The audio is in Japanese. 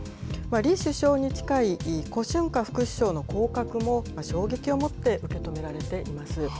李首相に近い胡春華副首相の降格も衝撃をもって受け止められています。